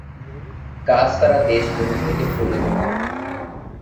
গাছ ছাড়া দেশ মরুভূমিতে পরিণত হয়।